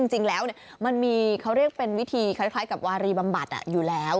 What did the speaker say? จริงแล้วมันมีเขาเรียกเป็นวิธีคล้ายกับวารีบำบัดอยู่แล้ว